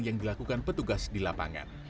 yang dilakukan petugas di lapangan